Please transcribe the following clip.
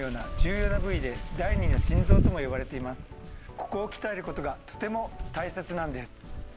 ここを鍛える事がとても大切なんです。